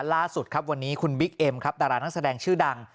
ล่าสุดครับวันนี้คุณบิ๊กเอ็มครับดารานักแสดงชื่อดัง